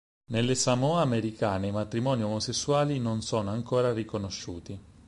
Nelle Samoa Americane i matrimoni omosessuali non sono ancora riconosciuti.